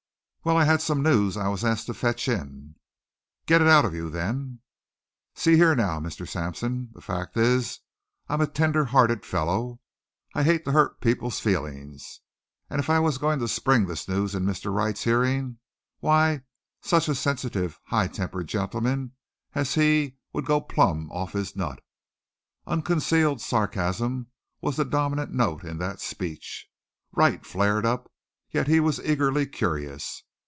"Well, I had some news I was asked to fetch in." "Get it out of you then." "See here now, Mr. Sampson, the fact is I'm a tender hearted fellow. I hate to hurt people's feelin's. And if I was to spring this news in Mr. Wright's hearin', why, such a sensitive, high tempered gentleman as he would go plumb off his nut." Unconcealed sarcasm was the dominant note in that speech. Wright flared up, yet he was eagerly curious.